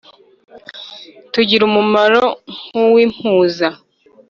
tugira umumaro nk’uw’impuza: